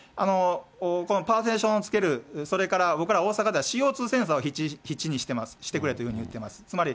パーテーションをつける、それから僕ら、大阪ではＣＯ２センサーを必置にしてます、してくれというふうに言ってます。